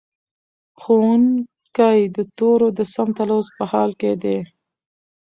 ښوونکی د تورو د سم تلفظ په حال کې دی.